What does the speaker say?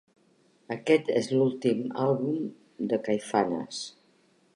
Aquest és l'últim àlbum de Caifanes.